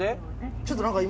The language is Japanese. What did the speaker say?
ちょっと何か今。